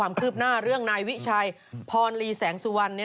ไม่รู้จริงอย่างนี้